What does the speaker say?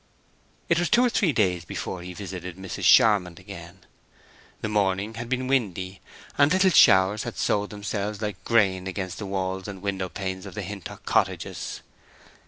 It was two or three days before he visited Mrs. Charmond again. The morning had been windy, and little showers had sowed themselves like grain against the walls and window panes of the Hintock cottages.